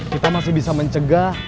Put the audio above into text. kita masih bisa mencegah